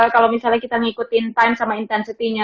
kalau misalnya kita ngikutin time sama intensitinya